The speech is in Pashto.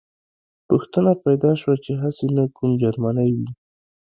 پوښتنه پیدا شوه چې هسې نه کوم جرمنی وي